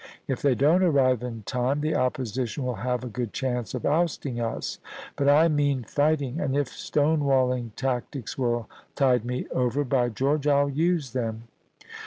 If they don't arrive in time, the Opposition will have a good chance of ousting us. But I mean fighting, and if stone walling tactics will tide me over, by George I'll use them!'